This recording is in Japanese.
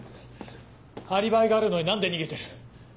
アリバイがあるのに何で逃げてる？